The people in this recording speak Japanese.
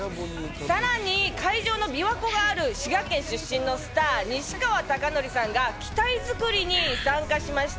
さらに会場の琵琶湖がある滋賀県出身のスター西川貴教さんが機体作りに参加しました。